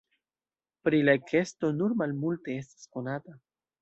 Pri la ekesto nur malmulte estas konata.